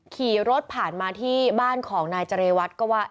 ขี่รถผ่านมาที่บ้านของนายเจรวัตรก็ว่า